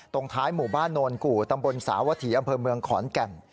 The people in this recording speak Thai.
ท้ายหมู่บ้านโนนกู่ตำบลสาวถีอำเภอเมืองขอนแก่น